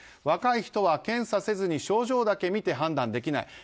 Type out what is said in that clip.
若い人は検査せずに症状だけ見て判断できない。